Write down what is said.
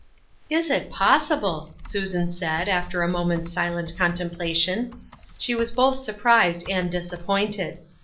'*" Is it possible !" Susan said, after a moment's silent contemplation. She was both surprised and disappointed.